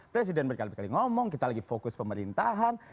presiden berkali kali ngomong kita lagi fokus pemerintahan